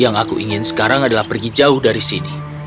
yang aku ingin sekarang adalah pergi jauh dari sini